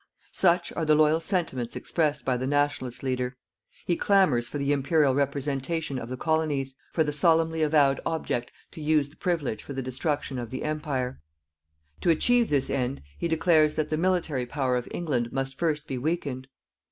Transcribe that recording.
Such are the loyal sentiments expressed by the "Nationalist" leader. He clamours for the Imperial representation of the Colonies, for the solemnly avowed object to use the privilege for the destruction of the Empire. To achieve this end he declares that the military power of England must first be weakened.